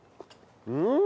うん！